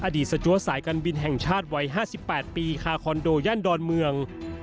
สจัวสายการบินแห่งชาติวัย๕๘ปีคาคอนโดย่านดอนเมือง